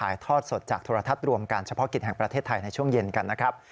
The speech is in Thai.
ทอดสดจากโทรทัศน์รวมการเฉพาะกิจแห่งประเทศไทยในช่วงเย็นกันนะครับ